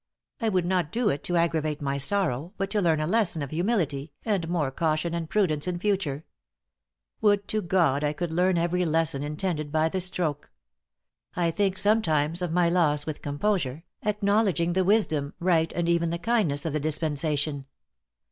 I would not do it to aggravate my sorrow, but to learn a lesson of humility, and more caution and prudence in future. Would to God I could learn every lesson intended by the stroke. I think sometimes of my loss with composure, acknowledging the wisdom, right, and even the kindness of the dispensation.